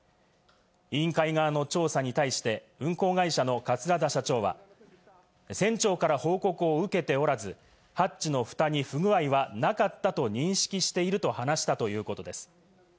委員会側の調査に対して、運航会社の桂田社長は、船長から報告を受けておらず、ハッチのふたに不具合はなかったと認識していると話したということです。